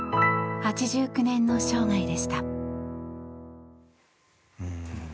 ８９年の生涯でした。